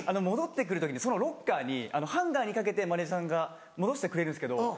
戻って来る時にそのロッカーにハンガーにかけてマネジャーさんが戻してくれるんですけど。